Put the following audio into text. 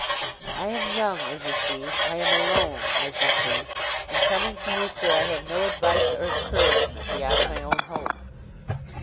'I am young, as you see; I am alone, as you see. In coming to you, sir, I have no advice or encouragement beyond my own hope.